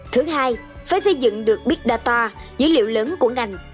thứ hai phải xây dựng được big data dữ liệu lớn của ngành